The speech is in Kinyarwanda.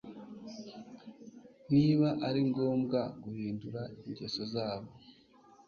Niba ari ngombwa guhindura ingeso zabo